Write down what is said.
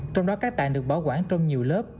trong đó các tài được bảo quản trong nhiều lớp